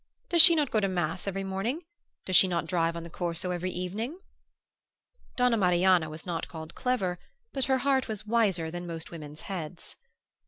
"Does she not go to mass every morning? Does she not drive on the Corso every evening?" Donna Marianna was not called clever, but her heart was wiser than most women's heads.